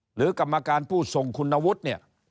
หรือกรรมการผู้ทรงคุณวุฒิเนี่ย